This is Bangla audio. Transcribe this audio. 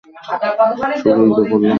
শুরুই তো করলাম না।